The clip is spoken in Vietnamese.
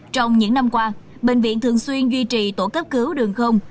trong những năm qua bệnh viện thường xuyên duy trì tổ cấp cứu đường không